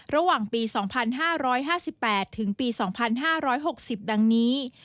ระหว่างปี๒๕๕๘ถึงปี๒๕๖๐ดังนี้